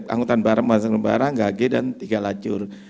anggota barang gage dan tiga lajur